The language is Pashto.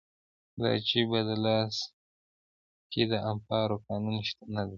دا چې په دالاس کې د امپارو قانون شتون نه درلود.